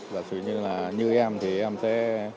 giả sử như là như em thì em sẽ